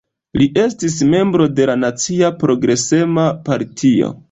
Li estis membro de la Nacia Progresema Partio.